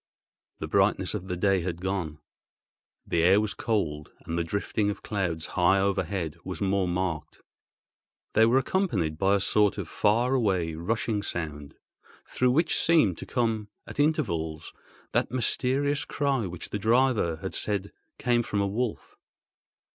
The brightness of the day had gone. The air was cold, and the drifting of clouds high overhead was more marked. They were accompanied by a sort of far away rushing sound, through which seemed to come at intervals that mysterious cry which the driver had said came from a wolf.